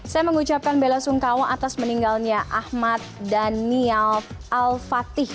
saya mengucapkan bela sungkawa atas meninggalnya ahmad daniel al fatih